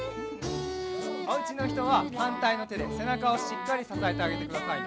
おうちのひとははんたいのてでせなかをしっかりささえてあげてくださいね。